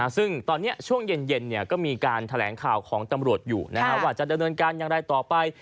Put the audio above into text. ซึ่งตอนนี้ช่วงเย็นก็มีการแถลงข่าวของตำรวจอยู่ว่าจะดำเนินการอย่างไรต่อไป